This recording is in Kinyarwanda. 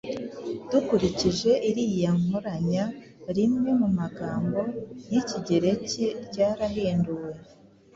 Dukurikije iriya Nkoranya, rimwe mu magambo y’Ikigereki ryarahinduwe